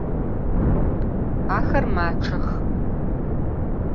Axer maççex.